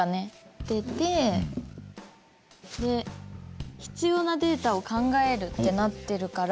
立てて必要なデータを考えるってなってるから。